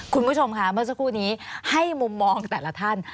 คุณผู้ชมค่ะเมื่อสักครู่นี้ให้มุมมองแต่ละท่าน